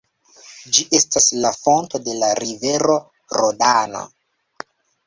Ĝi estas la fonto de la rivero Rodano.